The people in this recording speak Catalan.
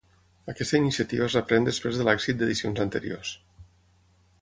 Aquesta iniciativa es reprèn després de l’èxit d’edicions anteriors.